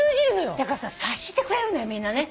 だから察してくれるのよみんな。